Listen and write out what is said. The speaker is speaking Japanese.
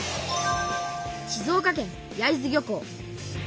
静岡県焼津漁港。